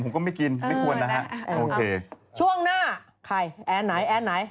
แอ้นต์ทองกับอ้อนศรีจะมาเก้าเหลากันได้ยังไง